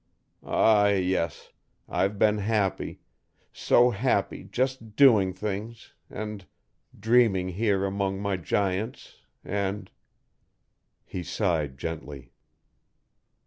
Ah, yes, I've been happy so happy just doing things and dreaming here among my Giants and " He sighed gently.